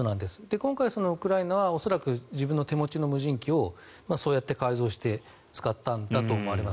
今回、ウクライナは恐らく自分の手持ちの無人機をそうやって改造して使ったんだと思われます。